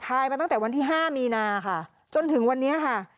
มาตั้งแต่วันที่๕มีนาค่ะจนถึงวันนี้ค่ะ